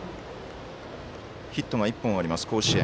ヒットが１本あります、甲子園。